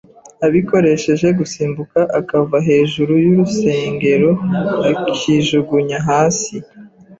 abikoresheje gusimbuka akava hejuru y’urusengero akijugunya hasi.